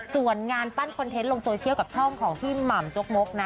ส่วนงานปั้นคอนเทนต์ลงโซเชียลกับช่องของพี่หม่ำจกมกนะ